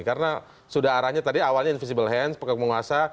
karena sudah arahnya tadi awalnya invisible hand penguasa